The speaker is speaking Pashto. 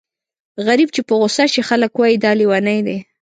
غريب چې په غوسه شي خلک وايي دا لېونی دی.